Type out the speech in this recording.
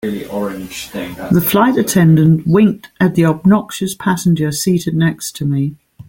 The flight attendant winked at the obnoxious passenger seated next to me.